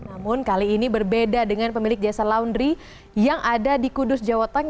namun kali ini berbeda dengan pemilik jasa laundry yang ada di kudus jawa tengah